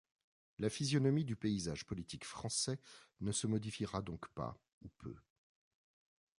La physionomie du paysage politique français ne se modifiera donc pas ou peu.